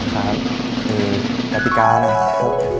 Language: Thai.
เกมอ่ะตายแล้วโอเคอ๋อความผิดคล้ายคือกฎิกาเลย